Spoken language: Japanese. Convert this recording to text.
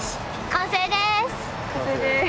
完成です。